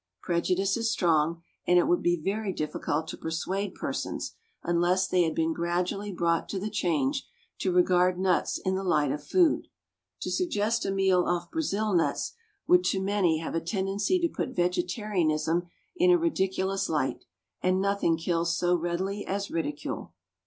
Prejudice is strong, and it would be very difficult to persuade persons, unless they had been gradually brought to the change, to regard nuts in the light of food. To suggest a meal off Brazil nuts would to many have a tendency to put vegetarianism in a ridiculous light, and nothing kills so readily as ridicule.